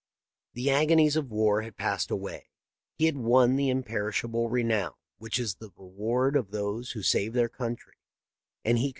The agonies of war had passed away ; he had won the imperishable renown which is the reward of those who save their country; and he could